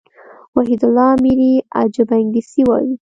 وحيدالله اميري عجبه انګلېسي وايي.